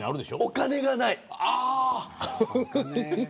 お金がない。